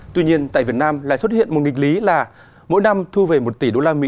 tuy nhiên tại việt nam lại xuất hiện một nghịch lý là mỗi năm thu về một tỷ usd